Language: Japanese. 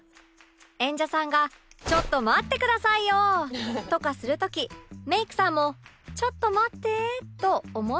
演者さんが「ちょっと待ってくださいよ」とかする時メイクさんも「ちょっと待って」と思っていた